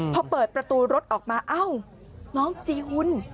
พอเปิดประตูรถออกมาเอ้าน้องจีหุ่น